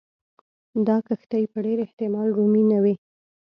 دا کښتۍ په ډېر احتمال رومي نه وې.